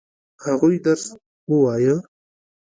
هغوی درس ووايه؟